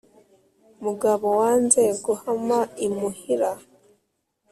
Mugabo wanze guhama imuhira